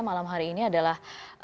malam hari ini adalah